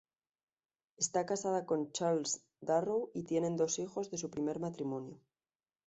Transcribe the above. Está casada con Charles Darrow y tienen dos hijos de su primer matrimonio.